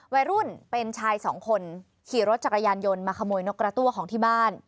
วัยรุ่นเป็นชายสองคนขี่รถจักรยานยนต์มาขโมยนกกระตั้วของที่บ้าน